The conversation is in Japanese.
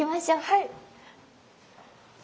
はい。